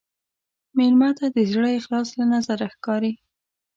مېلمه ته د زړه اخلاص له نظره ښکاري.